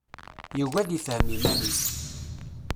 Yugi ad ifhem iman-is.